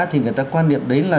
thì người ta quan niệm đấy là